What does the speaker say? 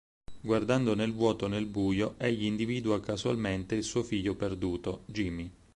Guardando nel vuoto, nel buio, egli individua casualmente il suo figlio perduto, Jimmy.